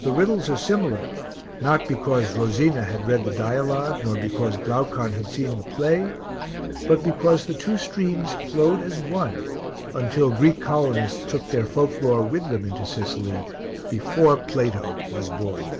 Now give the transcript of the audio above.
The riddles are similar not because Rosina had read the dialogue, nor because Glaucon had seen the play, but because the two streams flowed as one until Greek colonists took their folk lore with them into Sicily before Plato was born.